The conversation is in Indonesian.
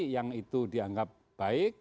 yang itu dianggap baik